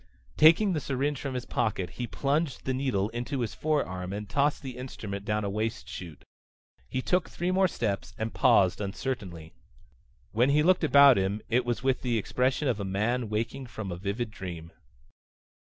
Taking the syringe from his pocket, he plunged the needle into his forearm and tossed the instrument down a waste chute. He took three more steps and paused uncertainly. When he looked about him it was with the expression of a man waking from a vivid dream.